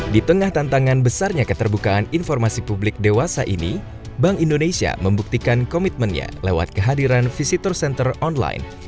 di tengah tantangan besarnya keterbukaan informasi publik dewasa ini bank indonesia membuktikan komitmennya lewat kehadiran visitor center online